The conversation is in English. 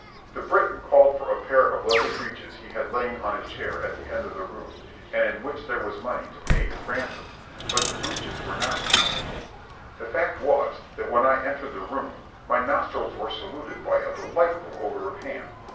The Breton called for a pair of leather breeches he had laid on a chair at the end of the room, and in which there was money to pay his ransom, but the breeches were not to be seen. The fact was, that when I entered the room, my nostrils were saluted by a delightful odour of ham.